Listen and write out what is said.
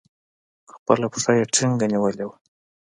خپله پښه يې ټينگه نيولې وه.